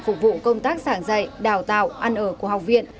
phục vụ công tác sảng dạy đào tạo ăn ở của học viện